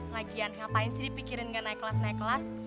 lagian ngapain sih dipikirin gak naik kelas naik kelas